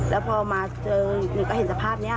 แล้วพอมาเจอหนูก็เห็นสภาพนี้